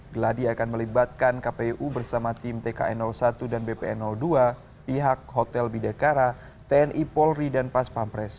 geladi akan melibatkan kpu bersama tim tkn satu dan bpn dua pihak hotel bidekara tni polri dan pas pampres